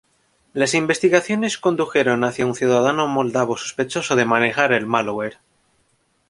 Las investigaciones condujeron hacia un ciudadano moldavo sospechoso de manejar el "malware".